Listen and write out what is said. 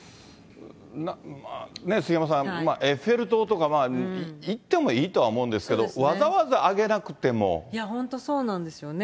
杉山さん、エッフェル塔とか行ってもいいとは思うんですけど、本当、そうなんですよね。